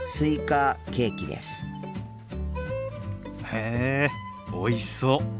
へえおいしそう。